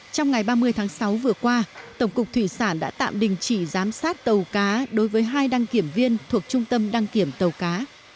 trong ngày ba mươi tháng sáu vừa qua tổng cục thủy sản đã tạm đình chỉ giám sát tàu cá đối với hai đăng kiểm viên thuộc trung tâm đăng kiểm tàu cá